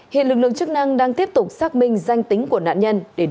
hiện lực lượng chức năng đang tiếp tục xác minh danh tính của nạn nhân để điều tra